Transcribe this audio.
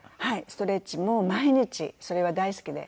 ストレッチも毎日それは大好きで。